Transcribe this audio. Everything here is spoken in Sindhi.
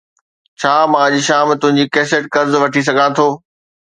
ڇا مان اڄ شام تنهنجي ڪيسٽ قرض وٺي سگهان ٿو؟